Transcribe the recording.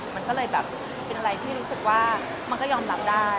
มันก็เลยแบบเป็นอะไรที่รู้สึกว่ามันก็ยอมรับได้